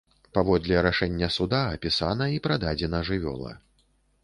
Паводле рашэння суда апісана і прададзена жывёла.